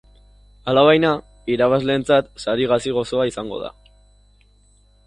Alabaina, irabazleentzat sari gazi-gozoa izango da.